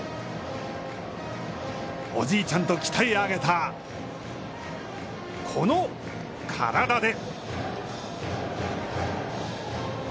おじいちゃんと鍛え上げた、この体で。